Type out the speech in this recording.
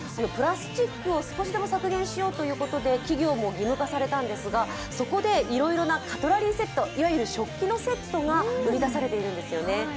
プラスチックを少しでも削減しようということで企業も義務化されたんですがそこでいろいろなカトラリーセット、いわゆる食器のセットが売り出されているんですよね。